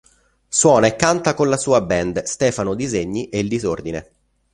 Suona e canta con la sua band Stefano Disegni e Il Disordine.